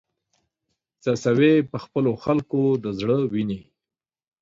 څڅوې په خپلو خلکو د زړه وینې